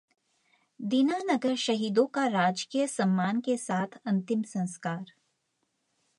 दीनानगर शहीदों का राजकीय सम्मान के साथ अंतिम संस्कार